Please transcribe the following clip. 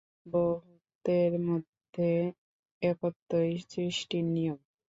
বহুত্বের মধ্যে একত্বই সৃষ্টির নিয়ম।